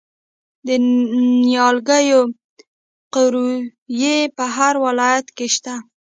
د نیالګیو قوریې په هر ولایت کې شته.